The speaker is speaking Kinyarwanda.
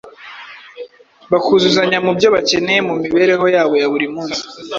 bakuzuzanya mu byo bakeneye mu mibereho yabo ya buri munsi.